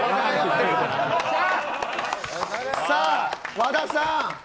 和田さん